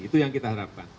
itu yang kita harapkan